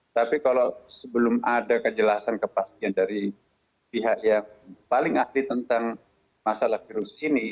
tapi kalau sebelum ada kejelasan kepastian dari pihak yang paling ahli tentang masalah virus ini